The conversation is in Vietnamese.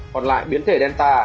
còn lại biến thể delta